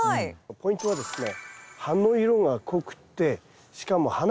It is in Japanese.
ポイントはですね